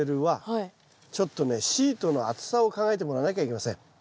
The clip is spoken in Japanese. ちょっとねシートの厚さを考えてもらわなきゃいけません。